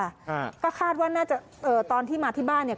อ่าก็คาดว่าน่าจะเอ่อตอนที่มาที่บ้านเนี้ย